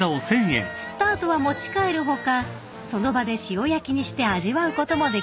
［釣った後は持ち帰る他その場で塩焼きにして味わうこともできますよ］